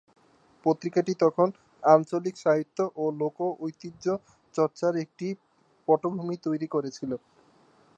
পত্রিকাটি তখন আঞ্চলিক সাহিত্য ও লোক-ঐতিহ্যচর্চার একটি পটভূমি তৈরি করেছিল।